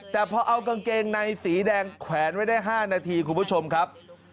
แต่พอเอากางเกงในสีแดงแขวนไว้ได้๕นาทีคุณผู้ชมครับ